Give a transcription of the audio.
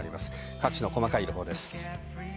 各地の細かい予報です。